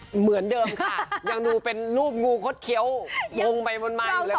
เหมือนเดิมค่ะยังดูเป็นรูปงูเข้าเคี้ยวมึงไบอยู่แล้วค่ะ